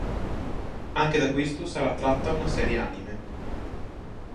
Anche da questo sarà tratta una serie anime.